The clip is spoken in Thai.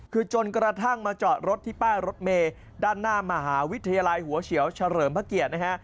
คือจนกระทั่งมาจอดรถที่ป้ายรถเมย์ด้านหน้ามหาวิทยาลัยหัวเฉียวเฉลิมพระเกียรตินะฮะ